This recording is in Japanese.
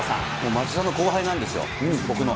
町田の後輩なんですよ、僕の。